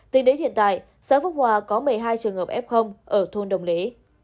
tính đến hiện tại xã phúc hòa có một mươi hai trường hợp f ở thôn đồng lý